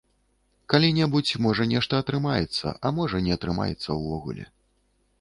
Калі-небудзь, можа, нешта атрымаецца, а можа, не атрымаецца ўвогуле.